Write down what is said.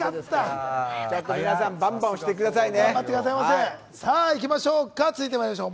皆さん、バンバン押してくださいね。